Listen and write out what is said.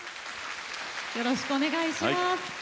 よろしくお願いします。